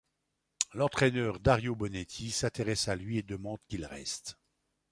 L'entraîneur Dario Bonetti s'intéresse à lui et demande qu'il reste.